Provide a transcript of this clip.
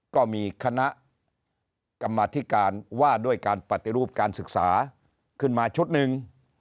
ก็มีคณะกรรมธิการว่าด้วยการปฏิรูปการศึกษาขึ้นมาชุดหนึ่ง